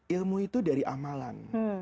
ilmu itu dari amalan